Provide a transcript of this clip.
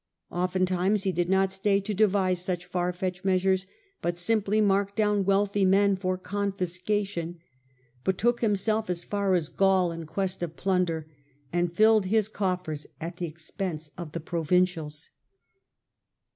Oftentimes he did not stay to devise such far fetched Resorted to measures, but simply marked down wealthy confiscation, men for confiscation, betook himself as far as Gaul in quest of plunder, and filled his coffers at the ex pense of the provincials.